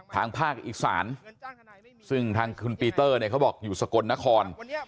ทางภาคอีสานซึ่งทางคุณปีเตอร์เนี่ยเขาบอกอยู่สกลนคร